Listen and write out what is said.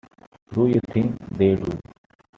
Do you think they do?